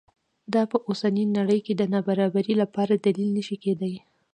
دا په اوسنۍ نړۍ کې د نابرابرۍ لپاره دلیل نه شي کېدای.